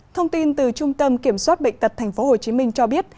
thông tin từ trung tâm kiểm soát bệnh tật tp hcm cho biết